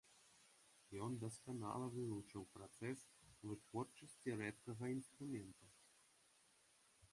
Ён дасканала вывучыў працэс вытворчасці рэдкага інструмента.